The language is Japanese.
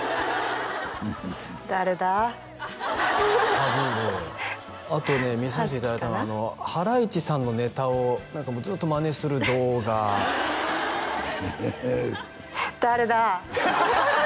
かぶるあとね見させていただいたのはハライチさんのネタをずっとマネする動画誰だ？